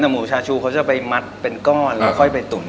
แต่หมูชาชูเขาจะไปมัดเป็นก้อนแล้วค่อยไปตุ๋น